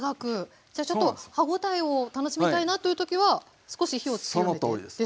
じゃちょっと歯応えを楽しみたいなという時は少し火を強めてですか？